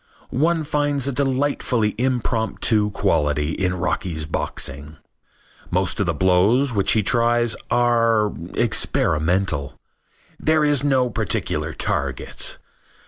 One finds a delightfully impromptu quality in Rocky's boxing. Most of the blows which he tries are experimental. There is no particular target.